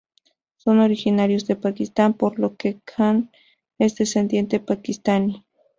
Son originarios de Pakistán, por lo que Khan es descendiente paquistaní.